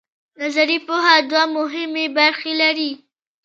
نظري پوهه دوه مهمې برخې لري.